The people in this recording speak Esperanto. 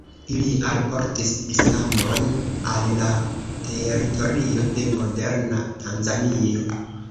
Ili alportis islamon al la teritorio de moderna Tanzanio.